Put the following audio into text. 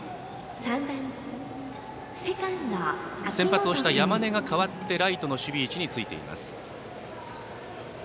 先発をした山根が変わってライトの守備位置に入っています。